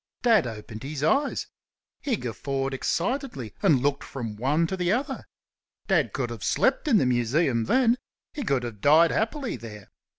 Dad opened his eyes. He guffawed excitedly and looked from one to the other. Dad could have slept in the Museum then he could have died happily there.